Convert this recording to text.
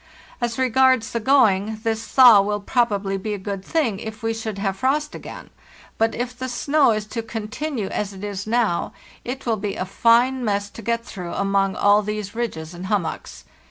As regards the going, this thaw will probably be a good thing if we should have frost again; but if the snow is to continue as it is now, it will be a fine mess to get through among all these ridges and hummocks.